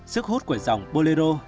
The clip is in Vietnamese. sức hút của dòng bolero